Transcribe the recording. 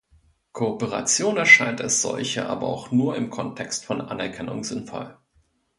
Kooperation erscheint als solche aber auch nur im Kontext von Anerkennung sinnvoll.